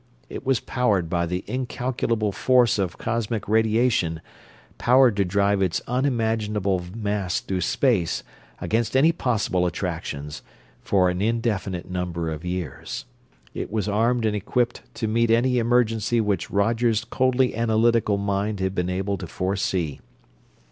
It was powered by the incalculable force of cosmic radiation, powered to drive its unimaginable mass through space, against any possible attractions, for an indefinite number of years. It was armed and equipped to meet any emergency which Roger's coldly analytical mind had been able to foresee.